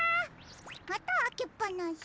またあけっぱなし？